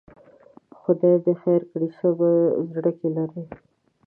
خدای دې خیر کړي، څه په زړه کې لري؟